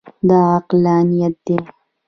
دا عقلانیت دی.